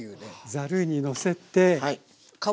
ざるにのせて。